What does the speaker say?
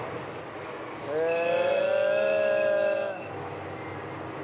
へえ。